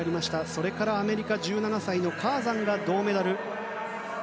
そしてアメリカの１７歳のカーザンが銅メダル。